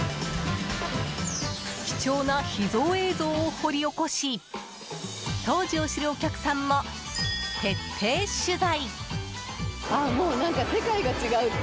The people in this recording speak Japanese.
貴重な秘蔵映像を、掘り起こし当時を知るお客さんも徹底取材！